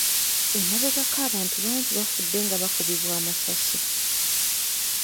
Emabegako abantu bangi bafudde nga bakubibwa amasasi